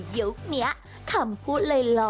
ยุคนี้ะคำพูดไล่